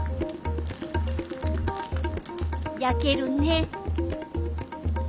焼けるね。